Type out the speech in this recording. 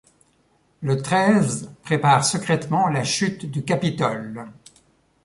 Le treize prépare secrètement la chute du Capitole.